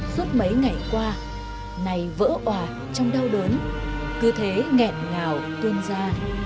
suốt mấy ngày qua này vỡ òa trong đau đớn cứ thế nghẹn ngào tuôn ra